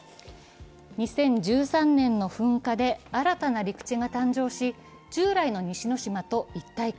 ２０１３年の噴火で新たな陸地が誕生し従来の西之島と一体化。